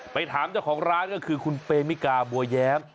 ไปถามเจ้าของร้านก็คือคุณเปมิกาบัวแย้ม